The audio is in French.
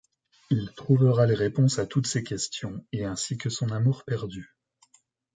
Il trouvera les réponses à toutes ses questions et ainsi que son amour perdu.